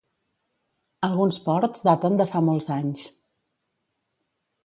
Alguns ports daten de fa molts anys.